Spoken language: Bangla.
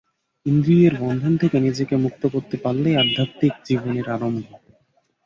ইন্দ্রিয়ের বন্ধন থেকে নিজেকে মুক্ত করতে পারলেই আধ্যাত্মিক জীবনের আরম্ভ।